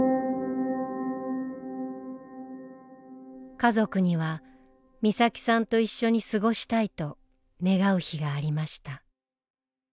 家族には美咲さんと一緒に過ごしたいと願う日がありました。